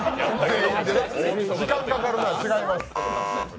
時間かかるな、違います。